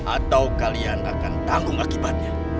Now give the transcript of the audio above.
atau kalian akan tanggung akibatnya